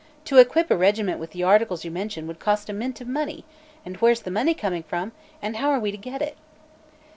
To equip a regiment with the articles you mention would cost a mint of money, and where's the money coming from, and how are we to get it?"